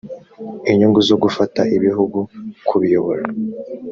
inyungu zo gufata ibihugu kubiyobora